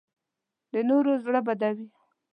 د نورو زړه بدوي